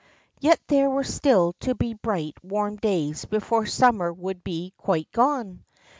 Yet there were still to be bright, warm days before summer would be quite gone.